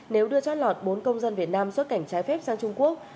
nếu đưa chót lọt bốn công dân việt nam xuất cảnh trái phép sang trung quốc